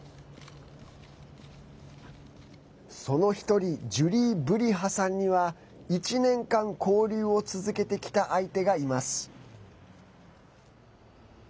その１人ジュリー・ブリハさんには１年間、交流を続けてきた相手がいます。